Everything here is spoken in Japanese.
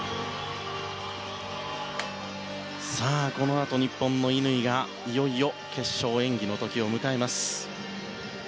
このあと日本の乾が決勝の演技の時を迎えます。